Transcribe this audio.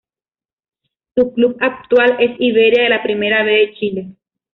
Su club actual es Iberia de la Primera B de Chile.